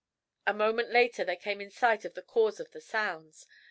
A moment later they came in sight of the cause of the sounds.